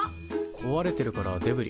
こわれてるからデブリ。